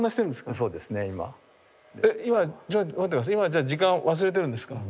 じゃあ今時間を忘れてるんですか？